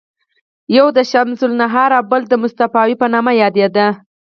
یوه یې د شمس النهار او بله د مصطفاوي په نامه یادېده.